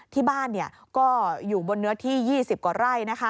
ที่บ้านก็อยู่บนเนื้อที่๒๐กว่าไร่